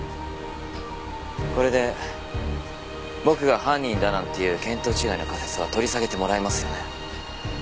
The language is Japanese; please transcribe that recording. これで僕が犯人だなんていう見当違いの仮説は取り下げてもらえますよね？